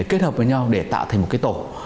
kết hợp với nhau để tạo thành một cái tổ